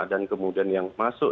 dan kemudian yang masuk